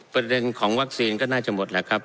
ประเด็นของวัคซีนก็น่าจะหมดแล้วครับ